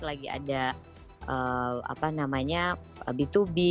lagi ada apa namanya b dua b